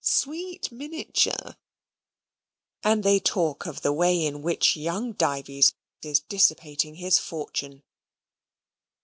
sweet miniature," and they talk of the way in which young Dives is dissipating his fortune.